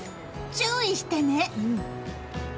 注意してね！